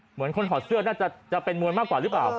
เหมือนคนถอดเสื้อน่าจะเป็นมวยมากกว่าหรือเปล่า